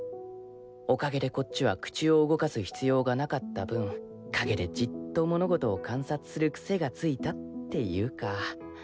おかげでこっちは口を動かす必要がなかった分陰でじっと物事を観察する癖がついたっていうか。